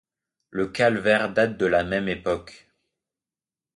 Le calvaire date de la même époque.